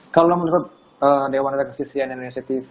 kalau menurut dewan kesisian indonesia tv